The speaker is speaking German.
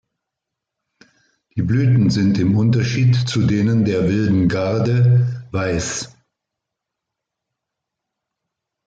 Die Blüten sind im Unterschied zu denen der Wilden Karde weiß.